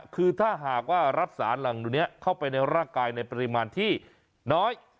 คือถ้าหากว่ารับสารหลังตัวนี้เข้าไปในร่างกายในปริมาณที่น้อย